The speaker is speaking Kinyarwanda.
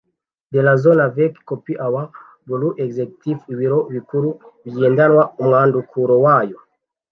de la Zone avec copie au Bureau Ex cutif Ibiro Bikuru bigenerwa umwandukuro wayo